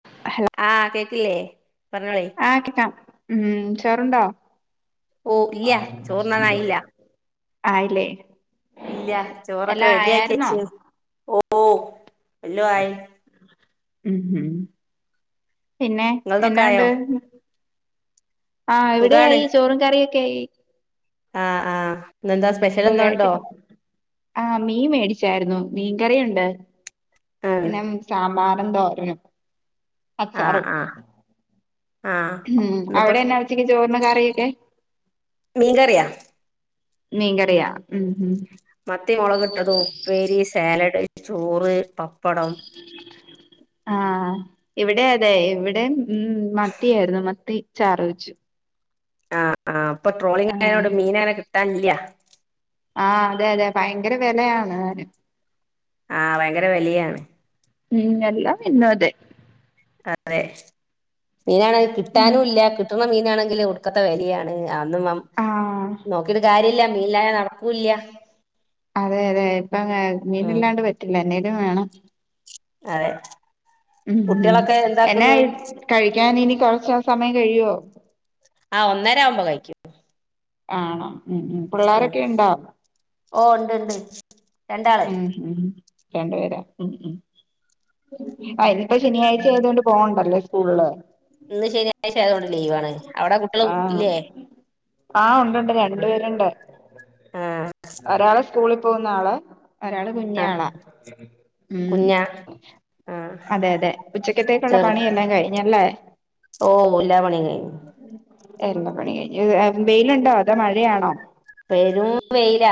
[inaudible] ആഹ് കേക്കില്ലേ പറഞ്ഞോളി ആ കേക്കാം ഉം ചോർ ഉണ്ടോ ഓ ഇല്ല്യ ചോർന്നാനായില്ല ആയില്ലേ ഇല്ല ചോറൊക്കെ എല്ലാം റെഡി ആയായിരുന്നോ ആക്കിവെച്ചണ് ഓ എല്ലായി ഉം ഉം പിന്നെ ഇങ്ങളതൊക്കെ എന്നണ്ട്? ആയോ ആഹ് സുഖാണ് എവിടെയായി ചോറും കറിയൊക്കെ ആയി ആഹ് ആഹ് ഇന്നെന്താ സ്പെഷ്യൽ എന്തോ ഉണ്ടോ സുഖായിട്ട് ആഹ് മീൻ മേടിച്ചായിരുന്നു മീൻ കറിയുണ്ട് ആഹ് പിന്നെ സാമ്പാറും തോരനും ആഹ് അച്ചാറും ആഹ് ആഹ് ഉം ഇന്നിപ്പോ അവിടെന്ന ഉച്ചക്ക് ചോറിന്ന് കറിയൊക്കെ? മീൻക്കറിയ. മീൻക്കറിയ ഉം, ഉം മത്തി മൊളക് ഇട്ടെത്, ഉപ്പേരി, സേലെഡ് ചോറ്, പപ്പടം. [inaudible] ആഹ് ഇവിടെ അതെ ഇവിടേം ഉം മത്തിയായിര്ന്നു മത്തിച്ചാർ വെച്ചു. ആഹ്, ആഹ് ഇപ്പ ആ ട്രോളിംങ്ങ് ആയോണ്ട് മീനങ്ങനെ കിട്ടാനില്ല. ആഹ് അതെ അതെ ഭയങ്കെരെ വെലെയാണ്. ആഹ് ഭയങ്കെരെ വെലിയാണ്. ഉം എല്ലാ മീനിനും അതെ. അതെ മീനാണെങ്കില് ഉം കിട്ടാനുല്ല കിട്ട്ണ മീനാണെങ്കില് ഒടുക്കത്തെ വെലിയാണ് അന്നും ആ നോക്കീട്ട് കാര്യല്ല മീന്ല്ലാതെ നടക്കൂല്ല. അതെ അതെ ഇപ്പ ഉം മീന്ല്ലാണ്ട് പറ്റില്ല എന്തെലും വേണം. അതെ ഉം ഉം കുട്ടിയാളൊക്കെ എന്നാ എന്താക്ക്ന്ന്? ഇ- കഴിക്കാൻ ഇനി കൊർച്ച് സമയംകയ്യോ? ആഹ് ഒന്നര ആവുമ്പോ കഴിക്കും. ആണോ ഉം ഉം. പിള്ളാരൊക്കെ ഇണ്ടോ ഓ ഉണ്ട് ഉണ്ട് രണ്ടാള് ഉം. രണ്ടു പേരാ ഉം ഉം. ആ ഇനിപ്പോ ശനിയാഴ്ച ആയതോണ്ട് പോവണ്ടല്ലേ സ്കൂളില്? ഇന്ന് ശനിയാഴ്ച അയത്കൊണ്ട് ലീവാണ് അവിടെ കുട്ടിയാള് ല്ലേ? ആഹ് ഉണ്ട്ണ്ട് രണ്ടു പേരുണ്ട് ആ ഒരാള് സ്കൂളിപോവുന്ന ആള് ഒരാള് ആ കുഞ്ഞിആളാ ഉം. കുഞ്ഞാ ആ അതെ അതെ ഉച്ചെക്കത്തേക്കുള്ള പണിയെല്ലാം കഴിഞ് എല്ലാആയി. ഓഹ് എല്ലാ പണി കഴിഞ്ഞു. എല്ലാ പണികഴിഞ്ഞു ഏ വെയിലുണ്ടോ അതോ മഴയാണോ? പെരും വെയിലാ.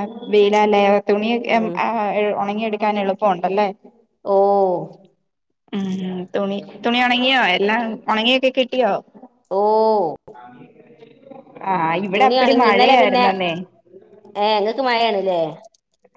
അ വെയിലാലേ എ തുണിയൊക്കെ മം ഉം ഏ ഒണങ്ങിയെടുക്കാൻ എളുപ്പം ഒണ്ടല്ലേ? ഓഹ് ഉം ഉം തുണി തുണി ഒണങ്ങിയോ എല്ലാം ഒണങ്ങിയൊക്കെ കിട്ടിയോ? ഓഹ് ആഹ് ഇവിടെ അപ്പിടി മഴയായ്ര്ന്നന്നെ. ഏഹ് ഇങ്ങക്ക് മഴേണ്ല്ലേ?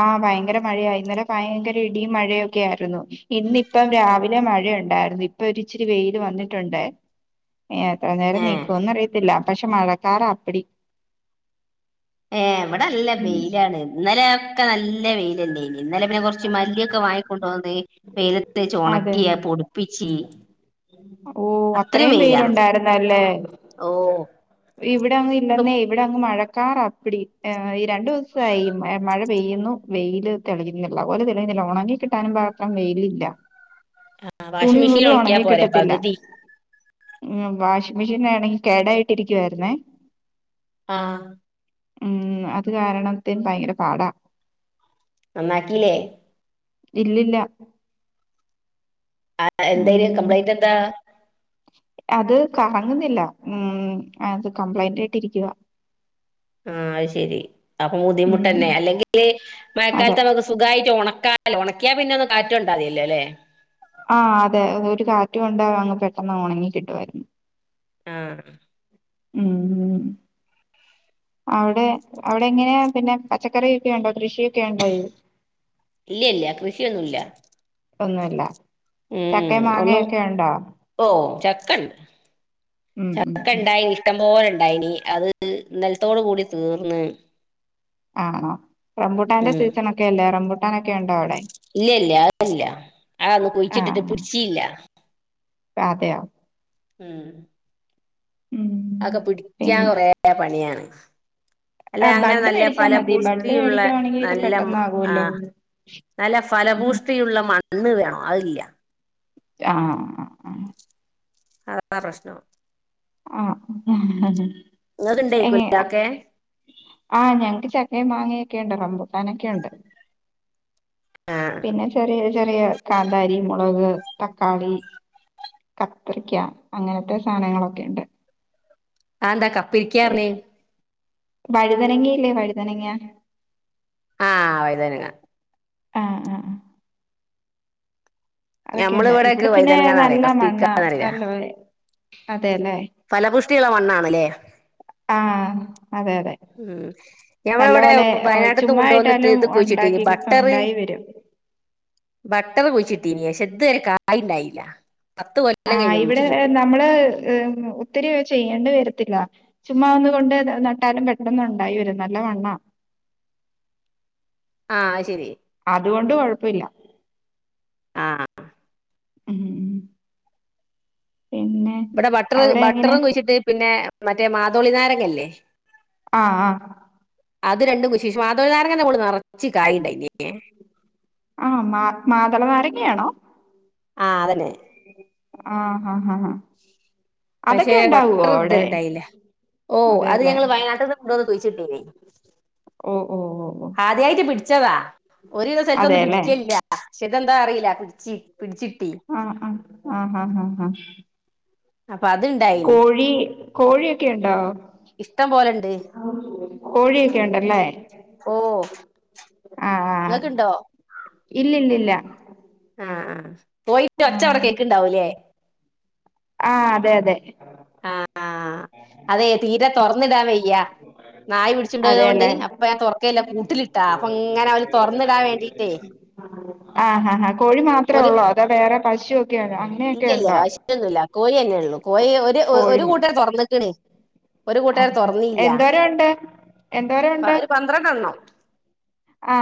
ആഹ് ഭയങ്കര മഴയാ. ഇന്നലെ ഭയങ്കര ഇടിയും മഴയൊക്കെയാര്ന്നു. ഇന്നിപ്പം രാവിലെ മഴയുണ്ടായിര്ന്നു ഇപ്പൊ ഇച്ചിരി വെയ്ല് വന്നിട്ടുണ്ട്. ഏഹ് എത്ര നേരം ഏ നിക്കുവെന്ന് അറിയത്തില്ല. പക്ഷേ മഴക്കാറാ അപ്പിടി. ഏഹ് ഇവടെ നല്ല ഉം വെയിലാണ്. ഇന്നലെയൊക്കെ നല്ല വെയ്ലല്ലേനി. ഇന്നെലെ പിന്നെ കൊർച്ച് മല്ലിയൊക്കെ വാങ്ങിക്കൊണ്ടോന്ന് വെയിലത്തെച്ച് ഒണക്കി അഹ് പൊടിപ്പിച്ചീ. ഓഹ് അത്രേം വെയ്ലൊണ്ടായിരുന്നല്ലേ? ഓ ഇവിടങ്ങ് ഇപ്പം ഇല്ലന്നേ. ഇവടെ അങ്ങ് മഴക്കാറാ അപ്പിടി. ഏഹ് ഈ രണ്ടുസായി മഴ പെയ്യുന്നു. വെയ്ല് തെളിവില്ല ഓല് തെളിയുന്നില്ല ഒണങ്ങി കിട്ടാനും പാത്രം വെയിലില്ല. ആഹ് തുണി വാഷിംങ്ങ് മിഷീനിൽ പോലും ഒണക്കിയാ പോരെ പകുതി ഉം വാഷിംങ്ങ് മെഷീനാണെങ്കി കേടായിട്ടിരിക്കുവായിരുന്നേ. ആഹ് ഉം അത് കാരണത്തിന് ഭയങ്കര പാടാ. ന്നന്നാക്കീലേ? ഇല്ലില്ല. ആഹ് എന്തയ്നി ഉം കംപ്ലൈന്റ് എന്താ? അത് കറങ്ങുന്നില്ല. ഉം. അത് കംപ്ലൈന്റ് ആയിട്ട് ഇരിക്കുവാ. ആഹ് അത് ശരി. അപ്പോ ഉം ബുദ്ധിമുട്ടന്നെ. അല്ലെങ്കില് അതെ മഴക്കാലത്ത്അമ്മക്ക് സ് സുഖായിട്ട് ഒണക്കാലോ. ഒണക്കിയാ പിന്നെ ഒന്ന് കാറ്റ് കൊണ്ടാമതീലോലെ? ആഹ് അതേ. ഒര് കാറ്റ് കൊണ്ടാ അങ്ങ് പെട്ടെന്ന് ഒണങ്ങി കിട്ടുവായിരുന്നു. ആഹ് ഉം ഔടെ ഔടെ എങ്ങനേ പിന്നേ പച്ചക്കറി ഒക്കെ ഒണ്ടോ? കൃഷിയൊക്കെ ഒണ്ടോയേ ഇല്യല്ല്യ കൃഷിയൊന്നുല്ല ഒന്നുവില്ല ഉം ഒന്നും ഓഹ് ചക്കണ്ട് ഉം ഉം ഉം ചക്കണ്ടായിനി ഇഷ്ടംപോല ഇണ്ടായിനി അത് ഇന്നൽത്തോട് കൂടി തീർന്ന് ആണോ? റംബൂട്ടാന്റെ സീസണൊക്കെ അല്ലേ റംബൂട്ടാനൊക്കെ ഉണ്ടോ അവടെ? ഇല്ലല്ല്യ. അത് ഇല്ല. അതൊന്നും കുയിച്ചിട്ട്ട്ട് പിടിച്ചീല്ല അതേയാ ഉം ഉം അതൊക്കെ പിടിക്കാൻ പിന്നെ കൊറേ പണിയാണ് അല്ല ആ അങ്ങന ബഡ് നല്ല മേടിച്ചാ മതി ബഡ് ഫലപുഷ്ടിയുള്ള മേടിക്കുവാണെങ്കിൽ ന്നല്ല മ് പെട്ടെന്നാകുമല്ലോ ആഹ് നല്ല ഉം. ഫലപൂഷ്ടിയുള്ള മണ്ണ്. വേണം അതില്ല. ആഹ് ആഹ് ആഹ് അതാ പ്രശ്നം ആഹ് ഇങ്ങക്ക് ഇണ്ടെയ്ക്കുല്ലേ അത് ഒക്കേ? ആഹ് ഞങ്ങക്ക് ചക്കയും, മാങ്ങയൊക്കെയുണ്ട് റംബുട്ടാനൊക്കെയുണ്ട്. ആ പിന്നെ ചെറിയ ചെറിയ കാന്താരി, മുളക്, തക്കാളി കത്രിക്ക അങ്ങനത്തെ സാനങ്ങളൊക്കെണ്ട് അത് എന്താ കപ്പിരിക്കാറഞ്ഞേ? വഴുതനങ്ങയില്ലേ വഴുതനങ്ങാ ആ വയ്തനങ്ങ ആ ആ അതൊക്കെയുണ്ട് ഞമ്മളിവിടെയൊക്കെ ഇവ്ടെ പിന്നെ വഴുതനങ്ങാന്ന് പറയാ നല്ല മണ്ണാ കപ്പിരിക്കാന്നറിയില്ല നല്ലപൊലെ അതേ ലേ ഫലപൂഷ് ട്ടിയുള്ള മണ്ണാണ് ലേ ആ അതെ അതെ ഉം നല്ല ഞമ്മളിവിടെ പോലെ ഓ വയനാട്ട്ന്ന് കൊണ്ടുവന്നിട്ട് ചുമ്മായിട്ടാലും ഇത് കുഴിച്ചിട്ടീനി ഒണ്ടാക്കി ഉണ്ടായി വെരും [inaudible] ബട്ടറ് കുഴിച്ചിട്ടീനി പക്ഷെ ഇത് വരെ കായ്ണ്ടായീല്ല പത്ത് കൊൽ ആ ഇവ്ടേ നമ്മള് ഹ് ഒത്തിരി ചെയ്യേണ്ട് വെരത്തില്ല ചുമ്മാ ഒന്ന് കൊണ്ട് നട്ടാലും പെട്ടെന്ന് ഉണ്ടായി വരും നല്ല മണ്ണാ ആ അത് ശരി അതുകൊണ്ട് കൊഴപ്പ ഇല്ല ആഹ് ആഹ് ഉം പിന്നെ ഇബടെ ബട്ടറ് അവിടെ എങ്ങനെ ബട്ടറും കുഴിച്ചിട്ട് പിന്നേ മറ്റേ മാതോളി നാരങ്ങ ഇല്ലേ ആഹ് ആഹ് അത് രണ്ടും കുഴിച്ച്ഷ് മാതോളി നാരങ്ങന്റെ മോള് നറച്ച് കായിണ്ടായ്ന്യേ ആ മാ മാതള നാരങ്ങയാണോ ആ അതന്നെ ആഹ് ആഹ് ആഹ് പക്ഷെ ബട്ടറ് ഇധരേണ്ടായില്ല ഓ അത് അതെല്ലേ ഞങ്ങള് വയനാട്ട്ന്ന് കൊണ്ടോന്ന് കുയിച്ച്ട്ടേനെയ് ഓഹോ ഓഹോ ഓഹോ ആദ്യായിറ്റ് പിടിച്ചതാ ഒരു വിധ സ്ഥൽത്തൊന്നും അതെല്ലേ പിടിക്കേല്ല്യാ പക്ഷേ ഇതെന്താ അറിയീല പിട്ച്ചി പിട്ച്ച്ട്ടി ആഹ് ആഹ് ആഹ് ആഹ് ആഹ് അപ്പ അത്ണ്ടേ കോഴി കോഴിയൊക്കെയ്ണ്ടോ ഇഷ്ടം പോലെണ്ട് കോഴിയൊക്കെ യുണ്ടല്ലേ ഓ ഇങ്ങക്ക്ണ്ടോ ഇല്ല്യ ഇല്ല്യ ഇല്ലാ ആ ആ കോയിന്റെ ഒച്ച അവ്ടെ കേക്ക്ണ്ടാവൂല്ലേ ആ അതെ അതെ അതേയ് തീരെ തൊർന്ന്ടാൻ വയ്യാ നായ പിടിച്ച്ണ്ടതോണ്ട് അതെല്ലേ അപ്പ ഞാൻ തൊറക്കല് ല്ല കൂട്ട്ലിട്ടാ അപ്പൊങ്ങനെ അവര് തൊർന്ന്ടാൻ വേണ്ടീറ്റേയ് ആ ആ ആ കോഴി മാത്രേ ഒള്ളോ അതോ വേറെ പശുവൊക്കെ യുണ്ടോ ആ ഇല്ല്യ ഇല്ല്യ പശുവൊന്നുല്ല കോയിന്നെ ഒള്ളു കോയി ഒരു കോഴി ഒരു കൂട്ടര് തൊർന്നക്ക്ണ് ഒര് കൂട്ടുകരെ ആഹ് ഹാ തൊറന്നില്ലാ എന്തോരം ഉണ്ട് എന്തോരം ആ ഒര് പന്ത്രണ്ട് എണ്ണം ആ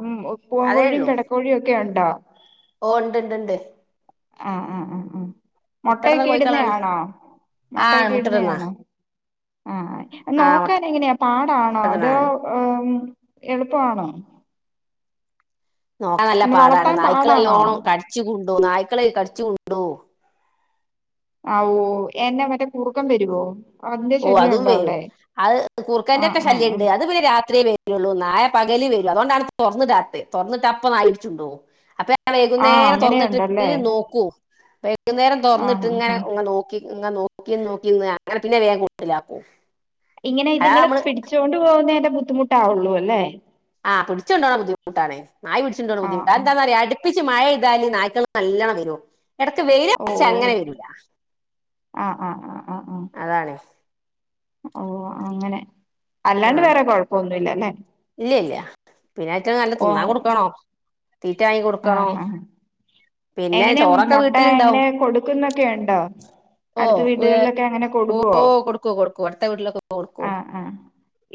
ഉം പൂവൻ കോഴിയും പെടക്കോഴിയും ഒക്കെ യുണ്ടോ ഓ ഇണ്ട് ണ്ട് ണ്ട് ആ ആ ആ ഉം മുട്ടട്ന്ന മൊട്ടയൊക്കെ ഇട്ന്നേ കോഴിക്കളാണ് ആണോ ആഹ് മൊട്ടയൊക്കെ മുട്ടട്ന്നാ ഇട്ന്നേയാണോ ആ ആഹ് നോക്കാൻ എങ്ങനെയാ പാടാണോ അതോ മുട്ടട്ന്നാണ് ഉം എള്പ്പമാണോ നോക്കാൻ നല്ല ഉം, പാടാണ് വളർത്താൻ നായ്ക്കള് പാടാണോ നല്ലാണം കട്ച്ച് കൊണ്ടോവും നായ്ക്കള് കട്ച്ച് കൊണ്ടോവും ആ ഓ എന്നാ മറ്റേ കുറ്ക്കം വെര് വൊ ഓ അതും വെരും അത് ആഹ് കുർക്കന്റോക്കെ ആഹ് ശല്യണ്ട് ആഹ് അത് പിന്നെ രാത്രിയേ വെ ള്ളൂ നായ പകലേ വെരൂ അതോണ്ടാണ് തൊറന്ന് ഇടാത്തെ തൊറന്ന് ഇട്ട അപ്പാ നായാ പിടിച്ചോണ്ടോ പോവും അപ്പെ- പിന്നെ ആഹ് വൈകുന്നേരം തൊറന്ന് ഇട്ടിട്ട് അങ്ങനെയുണ്ടല്ലേ നോക്കൂവോ വൈകുന്നേരം തൊറന്ന് ഇട്ട് ആഹ് ആഹ് ഇങ്ങനെ ആഹ് ഇങ്ങാ നോക്കി ഇങ്ങെ നോ നോക്കി ഇന്ന് നോക്കി ഇന്ന് അങ്ങനെ പിന്നെ വേഗം കൂട്ടിലാക്കും ഇങ്ങനെ അതാ ഇതിങ്ങള് നമ്മള് പിടിച്ചോണ്ട് പോകുന്നേൻ്റെ ബുദ്ധിമുട്ടാവു ഒള്ളു അല്ലേ ആഹ് പിടിച്ചു കൊണ്ട് പോവണാ ബുദ്ധിട്ടാണ് നായ പിടിച്ചോണ്ടോ പോന്നാ ആഹ് ബുദ്ധമുട്ടാ അത് ആഹ് എന്താന്ന് അറിയോ അ പ്രതേകിച്ച് മഴ പെയ്താല് നായ്ക്കള് നല്ലാണം വെരും എടക്ക് വെയില് ഓ അച്ച് അങ്ങനെ വെരില്ല ആഹ് ആഹ് ആഹ് ആഹ് ആഹ് അതാണ് ഓ അങ്ങനെ ആ അല്ലാണ്ട് വേറെ കൊഴപ്പൊന്നും ഇല്ല അല്ലെ ഇല്ല ഇല്ല പിന്നെ അവറ്റകൾ നല്ല തിന്നാൻ കൊട്ക്കണോ തീറ്റാ വാങ്ങി കൊട്ക്കണോ എങ്ങനെയാ മൊട്ട എങ്ങനെ കൊടുക്ക്ന്നൊക്കെ ഒണ്ടോ ഓ അടുത്ത ഏ വീടുകളിലൊക്കെ അങ്ങനെ ഓ കൊടുക്കവോ കൊടുക്കൂ കൊടുക്കൂ അടുത്ത വീട്ടിലൊക്കെ കൊടുക്കൂ ആഹ് ആഹ്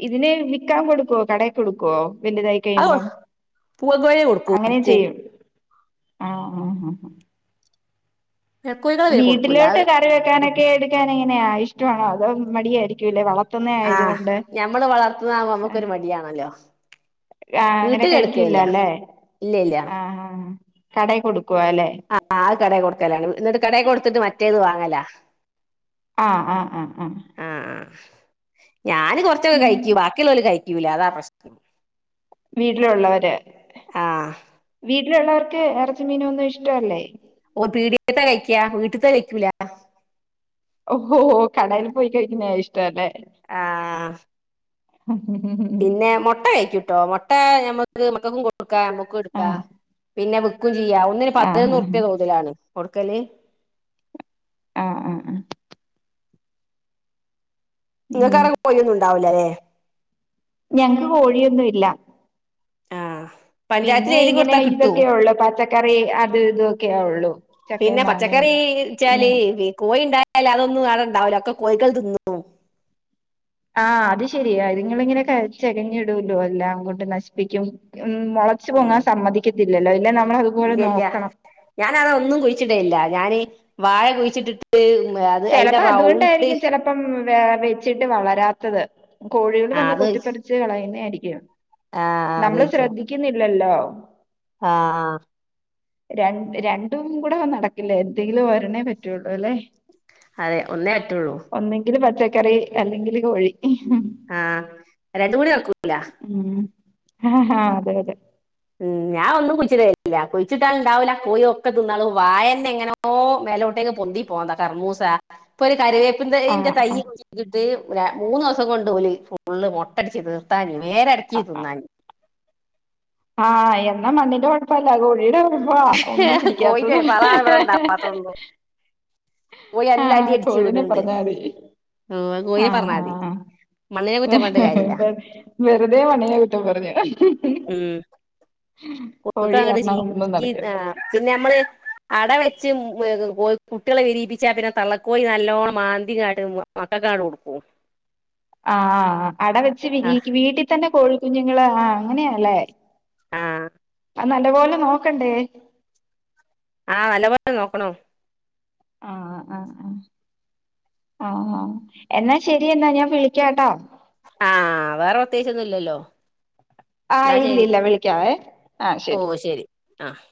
ഇതിനെ വിക്കാൻ കൊട്ക്കുവോ കടെ കൊടുക്കുവോ വല്തായാ - ക്കെ അത് കഴിയുമ്പോ പൂവൻകോഴിയെ കൊടുക്കൂ അങ്ങനെ കൊടുക്കൂ ചെയ്യും ആഹ് ആഹ് കോഴികളെ പിന്നെ കൊടുക്കൂല വീട്ടിലോട്ട് കറി അത് വെക്കാനൊക്കെ എട്ക്കാൻ എങ്ങനെയാ ഇഷ്ടാ വണോ അതോ മടിയായിരിക്കും അല്ലേ വള ആഹ് ഞമ്മള് വളർത്ത്ന്നാവുമ്പോ ഞമ്മാക്കൊര് മടിയാണല്ലോ ആഹ് അങ്ങനെ വീട്ടിൽ കയിക്കുല്ല എടുക്കലില്ല അല്ലേ ഇല്ല ഇല്ല ആഹ് കടെ കൊട്ക്കുവാ അല്ലെ ആഹ് ആഹ് കടെ കൊട്ക്കലാണ് എന്നിട്ട് കടെ കൊട്ത്ത് ഇട്ട് മറ്റേത് വാങ്ങലാ ആഹ് ആഹ് ആഹ് ആഹ് ആഹ് ഞാന് കൊറച്ചൊക്കെ കയിക്കൂ ബാക്കിയേള്ളാല് കയിക്കുല്ലാ അതാ പ്രശ്നം വീട്ടിലോള്ളര് ആഹ് വീട്ടിലോള്ളർക്ക് എറച്ചിയും മീനനും ഒന്നും ഇഷ്ട്ടവല്ലേ ഓൻ പീടിയ്ക്കത്തെ കയിക്ക്യാ വീട്ടത്തെ കയിക്കൂല്ല ഓ ഓഹൊ കടെയില് പോയി കഴിക്കുന്നത ഇഷ്ട്ടം അല്ലേ ആഹ് ഉം ഉം ഉം ഉം [unintelligible] പിന്നെ മൊട്ട കയിക്കൂട്ടോ മൊട്ടേ ഞമ്മക്ക് മക്കക്കും കൊടുക്കാം നമ്മക്കും എട്ക്കാം ആഹ് പിന്നെ വി - വിക്കുയോം ചെയ്യാം ഒന്നിന് പതിനൊന്ന് ആഹ് റുപ്യ തോതിലാണ് കൊട്ക്കല് ആഹ് ആഹ് ആഹ് നിങ്ങക്ക് ഉം അവിടെ കോയി ഒന്നും ഒണ്ടാവില്ലാ അല്ലേ ഞങ്ങക്ക് കോഴിയൊന്നും ഇല്ലാ ആഹ് പഞ്ചായത്തിൽ പിന്നെ എഴുതി ഇങ്ങനെ കൊടുത്താ കിട്ടോ ഇതൊക്കെ ഉള്ളു പച്ചക്കറി അത് ഇതൊക്കെയ ഉള്ളു ചക്കയും പിന്നെ മാങ്ങയും പച്ചക്കറി വെച്ചാല് പിന്നെ കോഴി ഉണ്ടായാല് അതൊന്നും നടണ്ടാ ഒക്കെ കോഴികൾ തിന്നു പോകും ആഹ് അത് ശരിയാ ഇതിങ്ങള് ഇങ്ങനെ ചെകഞ്ഞിടുലോ അല്ലാം കൊണ്ട് നശിപ്പിക്കും ഉം മോള- ളച്ച് ആഹ് പോങ്ങാൻ സമ്മതിക്കത്തില്ലല്ലോ ഇല്ലേ നമ്മള് അതുപോലെ നോക്കണം ഞാന് അതാ ഒന്നും കുഴിച്ചിടെലില്ല ഞാന് ഈ വാഴ കുഴിച്ചിട്ടിട്ട്- അത് അതിന്റെ ചെലപ്പോ റൗണ്ട് അതുകൊണ്ടായിരിക്കും ചെലപ്പോ- പ്പം വ വെച്ചിട്ട് വളരാത്തത് കോഴികൾ ആഹ് വന്ന് അത് കൊത്തിപ്പറിച്ച് കളയുന്ന ആയിരിക്കും ആഹ് നമ്മള് ശ്രദ്ധിക്കുന്നില്ലല്ലോ ആഹാ ആഹാ ര രണ്ടും കൂടെ നടക്കില്ലേ എന്തെങ്കിലും ഒരണ്ണമേ പറ്റുള്ളൂ അല്ലേ അതെ ഒന്നേ പറ്റുള്ളൂ ഒന്നെങ്കില് പച്ചക്കറി അല്ലെങ്കില് കോഴി ആഹാ രണ്ടും മൂ [unintelligible] ടിി വെക്കൂല ഉം അതെ അതെ ഉം ഞാൻ ഒന്നും കുഴിച്ച്‌ ഇടേല്ല കുഴിച്ചിട്ടാ ണ്ടാവൂല കോഴി ഒക്കെ തിന്നാളും വായന്നെ എങ്ങനോ ഓ മേലോട്ടേക്ക് പൊന്തി പോന്നതാ കർമൂസ ഇപ്പൊ ഒരു കറിവേപ്പു ആ തയ്യിന്റെ തൈ ആ കുഴിച്ച് ട്ട് മൂന്ന് ദിവസം കൊണ്ട് ഓല് ഫുള്ള് മൊട്ടടിച്ച് തീർത്താന് വേര് അടക്കി തിന്നാന് ആഹ് എന്നാ മണ്ണിന്റെ കുഴപ്പല്ല കോഴി ടെ [unintelligible] ഒന്നും കോഴിന്റെ പിടിക്കാത്തത് പറയാണ് ഇവിടെ ഉണ്ടാവാത്തൊന്നും കോഴി എല്ലാം അടി ആഹ് അടിച്ച് കോഴിനെ വിടുന്നുണ്ട് പറഞ്ഞാതി ഉം, അത് കോഴിനെ ആഹ് പറഞ്ഞാൽ മതി ആഹ് മണ്ണിനെ കുറ്റം പറഞ്ഞിട്ട് കാര്യമില്ല വെറുതെ മണ്ണിനെ കുറ്റം പറഞ്ഞ ഉം കോഴിക്കള് അങ്ങട്ട് കാരണം ഒന്നും ചിക്കി നടക്കില്ല ഏഹ് പിന്നെ നമ്മള് അട വെച്ച് വേ കോഴി കുട്ടിയാളെ വിരിയിപ്പിച്ചാ പിന്നെ തള്ളക്കോയി നല്ലോണ്ണം മാന്തി ങ്ങാട്ട് മക്കക്കാണ്ട് കൊടുക്കൂ [inaudible] ആഹ് അട വെച്ച് ആ വിരിക്ക് വീട്ടിൽ തന്നെ കോഴിക്കുഞ്ഞുങ്ങള് ആ അങ്ങനെ യാല്ലേ ആഹ് നല്ലപോലെ നോക്കണ്ടേ ആഹ് നല്ലപോലെ നോക്കണ്ണം ആഹ് ആഹ് ആഹ് ആഹ് ആഹ് എന്നാ ശെരി എന്നാ ഞാൻ വിളിക്കാ ട്ടോ ആഹ് വേറെ പ്രത്യേകിച്ചൊന്നും ഇല്ലല്ലോ എന്നാ ആഹ് ഇല്ല ശരി ഇല്ല വിളിക്കാവേ ആഹ് ശെരി ആഹ്